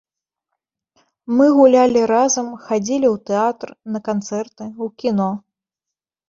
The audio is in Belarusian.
Мы гулялі разам, хадзілі ў тэатр, на канцэрты, у кіно.